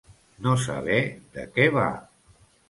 No saber de què va.